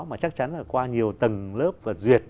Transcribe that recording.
mà chắc chắn là qua nhiều tầng lớp và duyệt